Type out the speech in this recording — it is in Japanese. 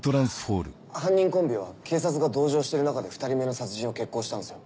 犯人コンビは警察が同乗してる中で２人目の殺人を決行したんすよ